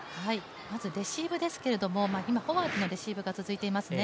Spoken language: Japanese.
まずレシーブですけれども、今、フォアのレシーブが続いていますね。